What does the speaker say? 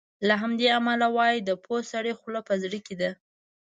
له همدې امله وایي د پوه سړي خوله په زړه کې ده.